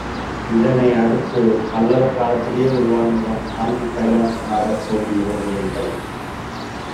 இதனை அடுத்து, பல்லவர் காலத்திலேயே உருவானதுதான் காஞ்சி கைலாசநாதர் கோயில் ஓவியங்கள்.